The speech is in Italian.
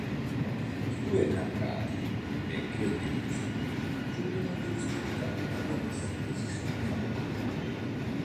I due innamorati, benché divisi, giurano di rispettare la promessa che si sono fatta.